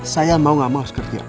saya mau gak mau harus kerja